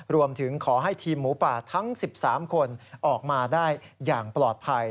รวมถึงขอให้ทีมหมูป่าทั้ง๑๓คนออกมาได้อย่างปลอดภัย